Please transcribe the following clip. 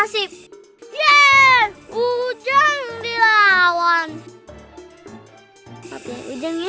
setelah dia mana hype baiknya